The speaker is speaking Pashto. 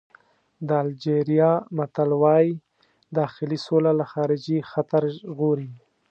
د الجېریا متل وایي داخلي سوله له خارجي خطر ژغوري.